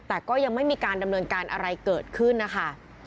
แต่ก็ยังไม่มีการดำเนินการอะไรเกิดขึ้นนะคะ